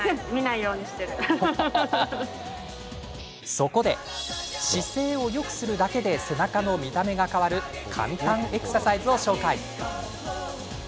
そこで、姿勢をよくするだけで背中の見た目が変わる簡単エクササイズを紹介。